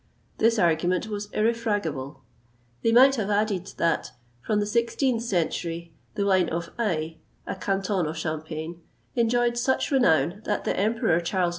This argument was irrefragable. They might have added that, from the 16th century, the wine of Aï, a canton of Champagne, enjoyed such renown that the Emperor Charles V.